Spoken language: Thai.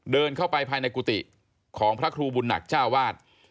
เดินเข้าไปภายในกุฏิของพระครูบุญหนักเจ้าวาด